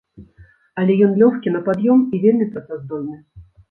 Але ён лёгкі на пад'ём і вельмі працаздольны.